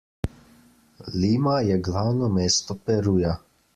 Lima je glavno mesto Peruja.